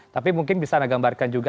tapi mungkin bisa anda gambarkan juga